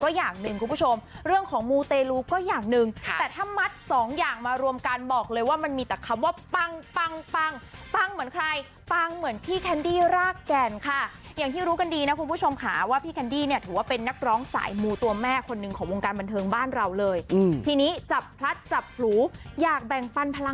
อย่างหนึ่งคุณผู้ชมเรื่องของมูเตลูก็อย่างหนึ่งแต่ถ้ามัดสองอย่างมารวมกันบอกเลยว่ามันมีแต่คำว่าปังปังปังปังเหมือนใครปังเหมือนพี่แคนดี้รากแก่นค่ะอย่างที่รู้กันดีนะคุณผู้ชมค่ะว่าพี่แคนดี้เนี่ยถือว่าเป็นนักร้องสายมูตัวแม่คนหนึ่งของวงการบันเทิงบ้านเราเลยทีนี้จับพลัดจับผลูอยากแบ่งปันพลัง